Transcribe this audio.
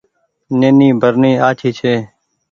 نيني برني آڇي ڇي۔